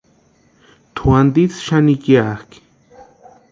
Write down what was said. Tʼu antisï xani ikiakʼi.